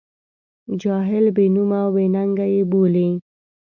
جاهل، بې نوم او بې ننګه یې بولي.